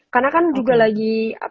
karena kan juga lagi